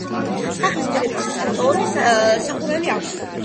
სახლს ფიქლის ცალფერდა სახურავი აქვს.